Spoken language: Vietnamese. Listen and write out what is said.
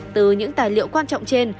từ những tài liệu quan trọng trên